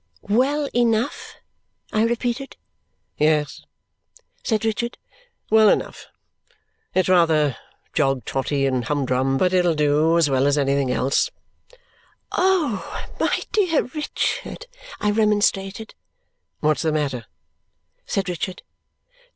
"Well enough?" I repeated. "Yes," said Richard, "well enough. It's rather jog trotty and humdrum. But it'll do as well as anything else!" "Oh! My dear Richard!" I remonstrated. "What's the matter?" said Richard.